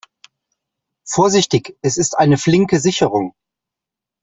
Vorsichtig, es ist eine flinke Sicherung.